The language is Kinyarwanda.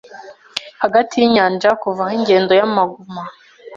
hagati y’inyanja kuva aho ingendo ya maguma